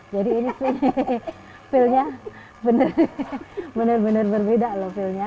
jadi ini feelnya benar benar berbeda loh feelnya